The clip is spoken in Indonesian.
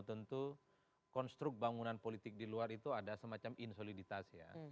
tentu konstruk bangunan politik di luar itu ada semacam insoliditas ya